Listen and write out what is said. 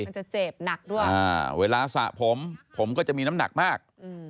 มันจะเจ็บหนักด้วยเวลาสระผมผมก็จะมีน้ำหนักมาก